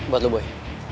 buat lo boy